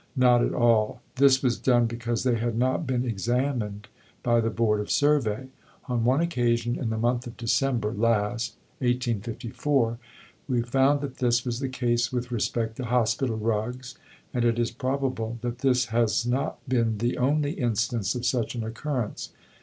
Not at all. "This was done because they had not been examined by the Board of Survey. On one occasion, in the month of December last , we found that this was the case with respect to Hospital rugs, and it is probable that this has not been the only instance of such an occurrence."